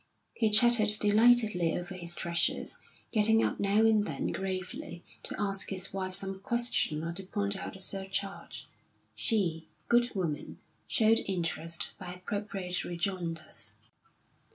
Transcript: He chattered delightedly over his treasures, getting up now and then gravely to ask his wife some question or to point out a surcharge; she, good woman, showed interest by appropriate rejoinders.